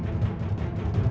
tapi rv itu terlalu jarang